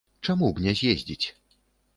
Чаму б не з'ездзіць?